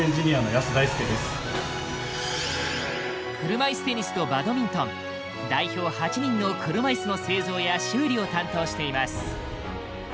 車いすテニスとバドミントン代表８人の車いすの製造や修理を担当しています。